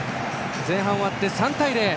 前半終わって３対０。